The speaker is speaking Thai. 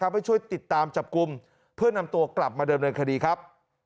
ให้ช่วยติดตามจับกลุ่มเพื่อนำตัวกลับมาเดิมเนินคดีครับ